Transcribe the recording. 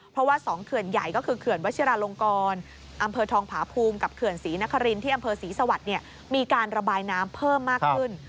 เพราะว่า๒เขื่อนใหญ่ก็คือเขื่อนวัชิราลงกรอำเภอทองผาภูมิกับเขื่อนศรีนครินที่อำเภอศรีสวรรค์มีการระบายน้ำเพิ่มมากขึ้น